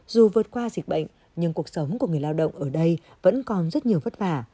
dù vượt qua dịch bệnh nhưng cuộc sống của người lao động ở đây vẫn còn rất nhiều vất vả